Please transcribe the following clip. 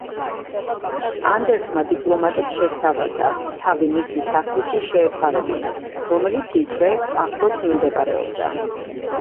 ანდერსმა დიპლომატებს შესთავაზა, თავი მისი სახლისთვის შეეფარებინათ, რომელიც იქვე, ახლოს მდებარეობდა.